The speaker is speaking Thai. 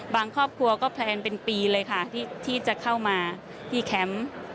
ครอบครัวก็แพลนเป็นปีเลยค่ะที่จะเข้ามาที่แคมป์